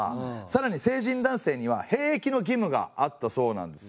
さらに成人男性には兵役の義務があったそうなんですね。